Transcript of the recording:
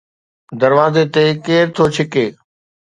دروازي تي ڪير ٿو ڇڪي؟